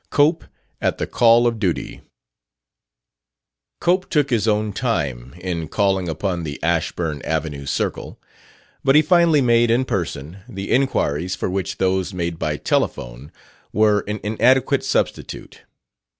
18 COPE AT THE CALL OF DUTY Cope took his own time in calling upon the Ashburn Avenue circle; but he finally made, in person, the inquiries for which those made by telephone were an inadequate substitute.